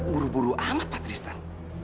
buru buru amat pak tristan